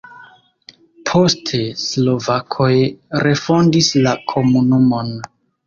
Poste slovakoj refondis la komunumon.